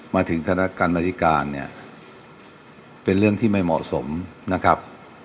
มาถึงคณะกรรมนาฬิการเนี่ยเป็นเรื่องที่ไม่เหมาะสมนะครับ